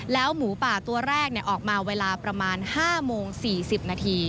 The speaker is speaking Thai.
หมูป่าตัวแรกออกมาเวลาประมาณ๕โมง๔๐นาที